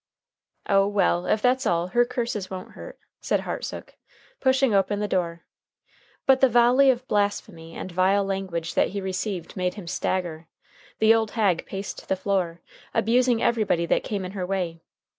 "Oh! well, if that's all, her curses won't hurt," said Hartsook, pushing open the door. But the volley of blasphemy and vile language that he received made him stagger. The old hag paced the floor, abusing everybody that came in her way.